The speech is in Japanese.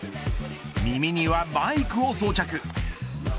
耳にはマイクを装着。